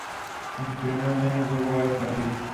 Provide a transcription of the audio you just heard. En sus primeros años, jugó varios partidos.